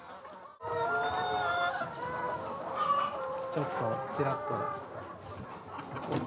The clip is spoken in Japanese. ちょっとちらっと。